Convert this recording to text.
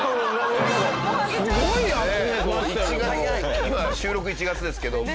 今収録１月ですけど。